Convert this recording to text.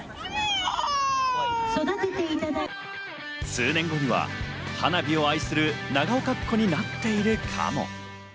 数年後には花火を愛する長岡っ子になっているかも。